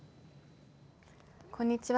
こんにちは。